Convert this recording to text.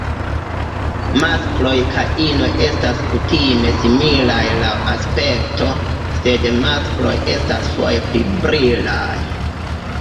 Maskloj kaj inoj estas kutime similaj laŭ aspekto, sed maskloj estas foje pli brilaj.